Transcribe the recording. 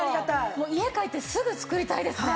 もう家帰ってすぐ作りたいですね。